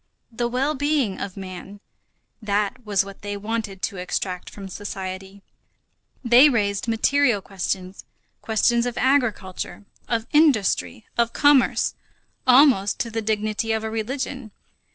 The well being of man, that was what they wanted to extract from society. They raised material questions, questions of agriculture, of industry, of commerce, almost to the dignity of a religion.